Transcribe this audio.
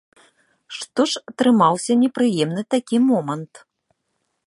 Што ж атрымаўся непрыемны такі момант.